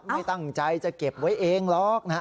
ไม่ตั้งใจจะเก็บไว้เองหรอกนะฮะ